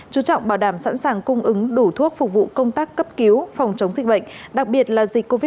chú trọng bảo đảm sẵn sàng cung ứng đủ thuốc phục vụ công tác cấp cứu phòng chống dịch bệnh đặc biệt là dịch covid một mươi chín